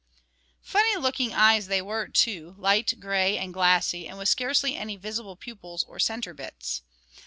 Funny looking eyes they were too; light grey and glassy, and with scarcely any visible pupils or centre bits.